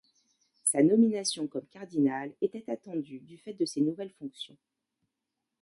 Sa nomination comme cardinal était attendue du fait de ses nouvelles fonctions.